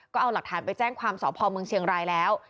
ก็เอาหลักฐานไปแจ้งความสอบภอมเมืองเชียงรายแล้ว